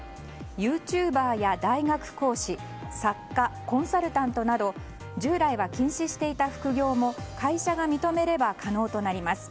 ユーチューバーや大学講師作家、コンサルタントなど従来は禁止していた副業も会社が認めれば可能になります。